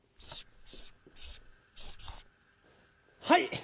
はい！